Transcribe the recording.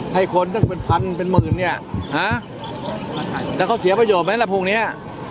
ให้คนตั้งเป็นพันเป็นหมื่นเนี่ยฮะแล้วเขาเสียประโยชนไหมล่ะพวกเนี้ย